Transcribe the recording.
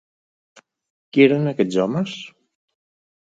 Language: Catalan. Qui eren aquests homes?